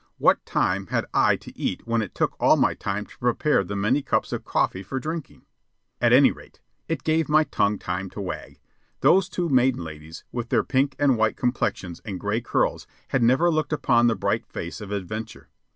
What time had I to eat when it took all my time to prepare the many cups of coffee for drinking? At any rate, it gave my tongue time to wag. Those two maiden ladies, with their pink and white complexions and gray curls, had never looked upon the bright face of adventure.